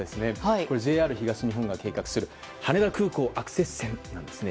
ＪＲ東日本が計画する羽田空港アクセス線なんですね。